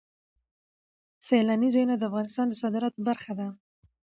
سیلانی ځایونه د افغانستان د صادراتو برخه ده.